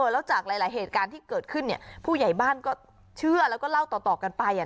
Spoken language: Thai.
แล้วจากหลายเหตุการณ์ที่เกิดขึ้นผู้ใหญ่บ้านก็เชื่อแล้วก็เล่าต่อกันไป